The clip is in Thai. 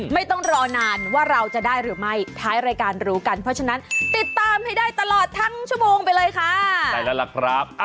ไม่ต้องรอนานว่าเราจะได้หรือไม่ท้ายรายการรู้กันเพราะฉะนั้นติดตามให้ได้ตลอดทั้งชั่วโมงไปเลยค่ะได้แล้วล่ะครับ